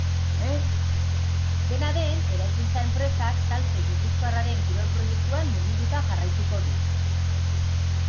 Dena den, eraikuntza-enpresak talfe gipuzkoarraren kirol proiektuan murgilduta jarraituko du.